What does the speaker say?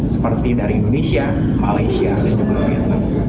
seperti dari indonesia malaysia dan juga vietnam